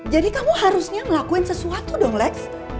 jadi kamu harusnya melakukan sesuatu dong lex